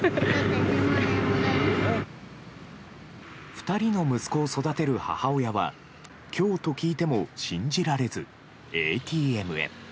２人の息子を育てる母親は今日と聞いても信じられずＡＴＭへ。